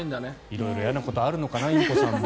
色々嫌なことあるのかなインコさんも。